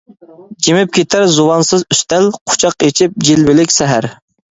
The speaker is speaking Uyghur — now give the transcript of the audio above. جىمىپ كېتەر زۇۋانسىز ئۈستەل، قۇچاق ئېچىپ جىلۋىلىك سەھەر.